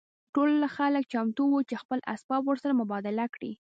ټول خلک چمتو وو چې خپل اسباب ورسره مبادله کړي